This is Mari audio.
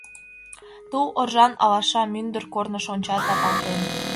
Тул оржан алаша Мӱндыр корныш онча тавалтен.